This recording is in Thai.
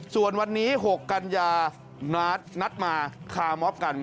ส่วนวันนี้๖กัญญานัตรนัดมาขาม๊อบกัน